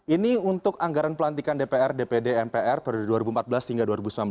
ini untuk anggaran pelantikan dpr dpd mpr periode dua ribu empat belas hingga dua ribu sembilan belas